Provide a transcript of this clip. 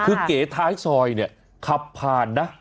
คือเก๋ท้ายซอยเนี่ยขับผ่านนะ